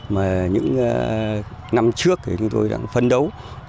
mà những năm trước thì chúng tôi đã phân đấu